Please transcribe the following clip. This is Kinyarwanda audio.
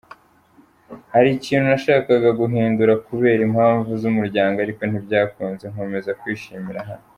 "Hari ikintu nashakaga guhindura kubera impamvu z'umuryango ariko ntibyakunze, nkomeza kwishimira hano.